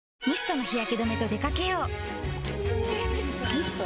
ミスト？